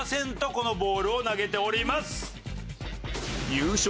このボールを投げております。